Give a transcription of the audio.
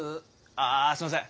あぁすいません。